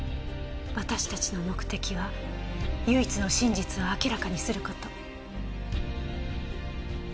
私たちの目的は唯一の真実を明らかにする事。